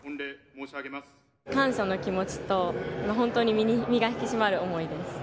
感謝の気持ちと、本当に身が引き締まる思いです。